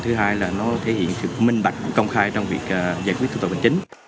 thứ hai là nó thể hiện sự minh bạch công khai trong việc giải quyết thủ tục hành chính